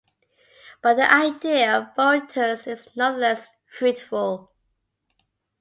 But the idea of Boretius is nonetheless fruitful.